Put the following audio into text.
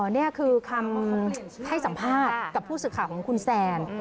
นี่คือคำให้สัมภาษณ์กับผู้สื่อข่าวของคุณแซน